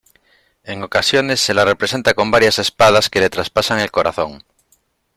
En ocasiones, se la representa con varias espadas que le traspasan el corazón.